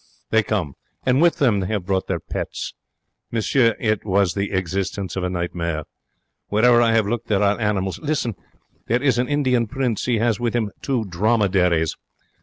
They come, and with them they have brought their pets. Monsieur, it was the existence of a nightmare. Wherever I have looked there are animals. Listen. There is an Indian prince. He has with him two dromedaries.